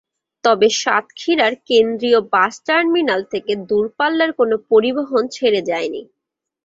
তবে সাতক্ষীরার কেন্দ্রীয় বাস টার্মিনাল থেকে দূরপাল্লার কোনো পরিবহন ছেড়ে যায়নি।